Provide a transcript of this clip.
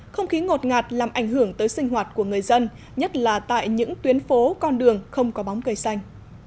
không khí ngột ngạt làm ảnh hưởng tới sinh hoạt của người dân nhất là tại những tuyến phố con đường không có bóng cây xanh